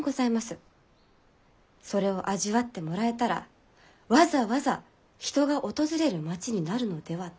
それを味わってもらえたらわざわざ人が訪れる町になるのではと。